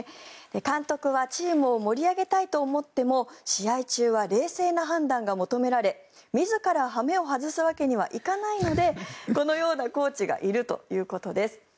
監督はチームを盛り上げたいと思っても試合中は冷静な判断が求められ自ら羽目を外すわけにはいかないのでこのようなコーチがいるということです。